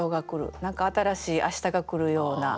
何か新しい明日がくるような。